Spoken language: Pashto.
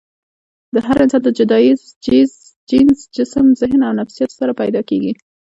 هر انسان د جدا جينز ، جسم ، ذهن او نفسياتو سره پېدا کيږي